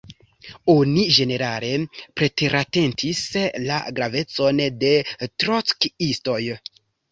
Oni ĝenerale preteratentis la gravecon de trockiistoj.